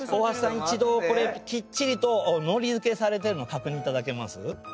一度これきっちりとのりづけされてるのを確認いただけます？